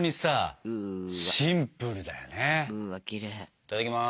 いただきます。